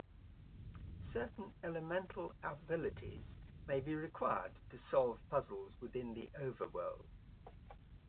Certain elemental abilities may be required to solve puzzles within the overworld.